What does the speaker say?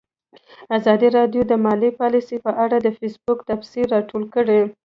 ازادي راډیو د مالي پالیسي په اړه د فیسبوک تبصرې راټولې کړي.